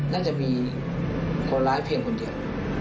น่าจะมีคนร้ายเพียงคนเดียว